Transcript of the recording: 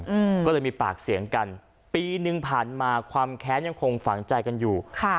อืมก็เลยมีปากเสียงกันปีหนึ่งผ่านมาความแค้นยังคงฝังใจกันอยู่ค่ะ